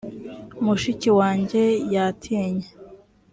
mushiki wanjye yatinye.